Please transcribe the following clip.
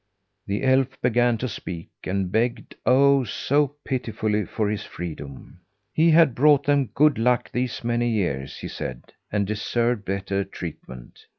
The elf began to speak, and begged, oh! so pitifully, for his freedom. He had brought them good luck these many years he said, and deserved better treatment.